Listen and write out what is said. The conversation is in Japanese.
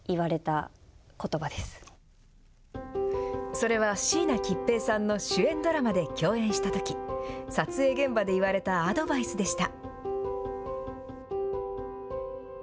それは、椎名桔平さんの主演ドラマで共演したとき、撮影現場で言われたアドバイスでした。